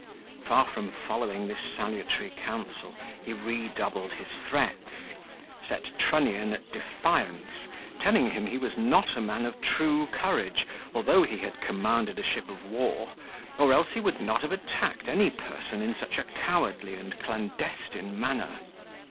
Far from following this salutary counsel, he redoubled his threats: set Trunnion at defiance, telling him he not a man of true courage, although he had commanded a ship of war, or else he would not have attacked any person in such a cowardly and clandestine manner.